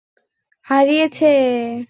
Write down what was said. বুদ্ধুটা নিজের ঘোড়াকেও হারিয়েছে।